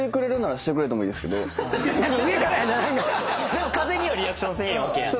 でも風にはリアクションせえへんわけやん。